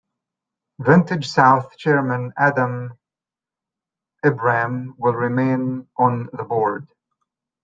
VantageSouth chairman Adam Abram will remain on the board.